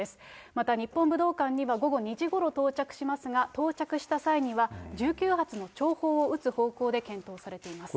また日本武道館には午後２時ごろ到着しますが、到着した際には１９発の弔砲撃つ方向で検討されています。